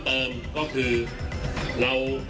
อันดับสุดท้าย